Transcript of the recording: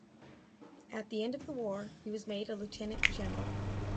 At the end of the war he was made a Lieutenant-general.